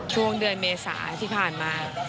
ช่วงเดือนเมษาที่ผ่านมา